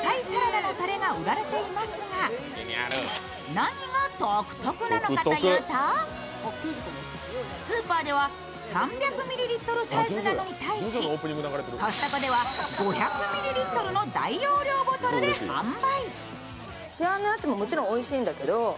何が特得なのかというとスーパーでは３００ミリリットルサイズなのに対しコストコでは５００ミリリットルの大容量ボトルで販売。